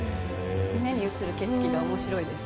目に映る景色が面白いです。